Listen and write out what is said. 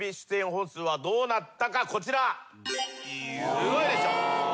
すごいでしょ。